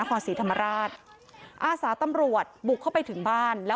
ไม่ใช่ไม่ใช่ไม่ใช่ไม่ใช่